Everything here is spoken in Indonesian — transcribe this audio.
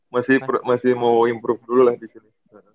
masih mau improve dulu lah di sini